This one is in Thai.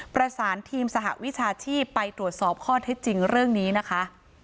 ประสานทีมสหวิชาชีพไปตรวจสอบข้อเท็จจริงเรื่องนี้นะคะ